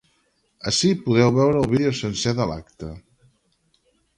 Ací podeu veure el vídeo sencer de l’acte.